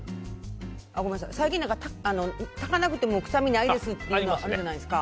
炊かなくても臭みがないですっていうのあるじゃないですか。